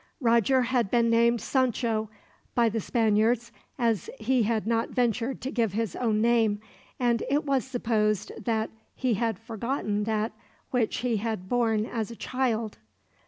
Roger had been named Sancho by the Spaniards, as he had not ventured to give his own name; and it was supposed that he had forgotten that which he had borne as a child.